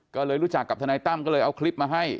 ก็เลยรู้จักกับทนายตั้มก็เลยเอาคลิปมาให้